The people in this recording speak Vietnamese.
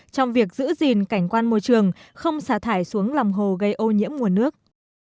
trong việc giữ gìn cảnh quan môi trường không xả thải xuống lòng hồ gây ô nhiễm nguồn nước